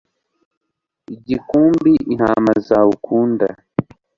igikumbi intama zawe ukunda